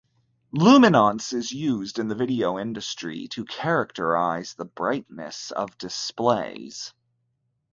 Luminance is used in the video industry to characterize the brightness of displays.